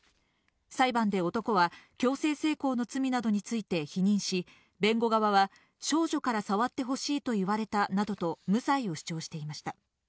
裁判で男は、強制性交の罪などについて否認し、弁護側は、少女から触ってほしいと言われたなどと、無罪を主張していました。